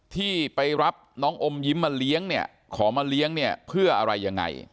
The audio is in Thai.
ที่ไปรับน้องอมยิ้มมาเลี้ยงเนี่ยขอมาเลี้ยงเนี่ยเพื่ออะไรยังไง